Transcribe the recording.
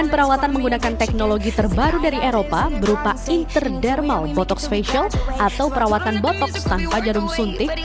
menurut kami wanita yang menggunakan teknologi terbaru dari eropa berupa interdermal botoks facial atau perawatan botoks tanpa jarum suntik